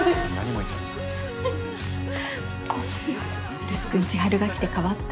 来栖君千晴が来て変わった。